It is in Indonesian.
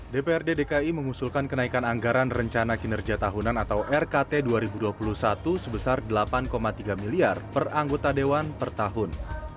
dprd dki mengusulkan kenaikan anggaran rencana kinerja tahunan atau rkt dua ribu dua puluh satu sebesar delapan tiga miliar per anggota dewan per tahun